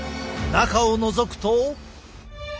中をのぞくと。